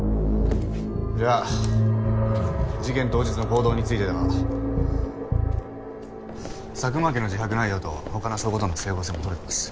じゃあ事件当日の行動についてだが。佐久巻の自白内容と他の証拠との整合性もとれてます。